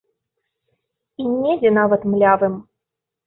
І недзе нават млявым.